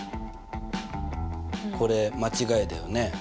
これ間違いだよね？